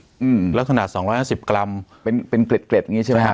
อืมลักษณะสองร้อยห้าสิบกรัมเป็นเป็นเกล็ดเกร็ดอย่างงี้ใช่ไหมครับ